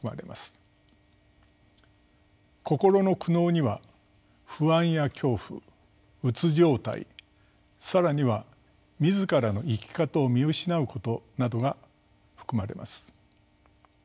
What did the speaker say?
「心の苦悩」には不安や恐怖うつ状態更には自らの生き方を見失うことなどが含まれます。